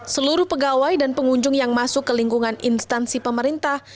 seluruh pegawai dan pengunjung yang masuk ke lingkungan instansi pemerintah